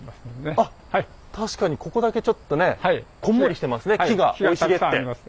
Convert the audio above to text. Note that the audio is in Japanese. あっ確かにここだけちょっとねこんもりしてますね